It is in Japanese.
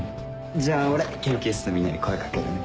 じゃあ俺研究室のみんなに声掛けるね。